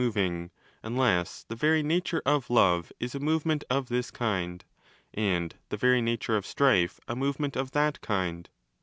6 moving', unless the very nature of Love is a movement of this kind and the very nature of Strife a movement of that kind.